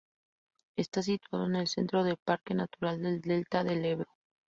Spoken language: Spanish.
Está situado en el centro del parque natural del Delta del Ebro.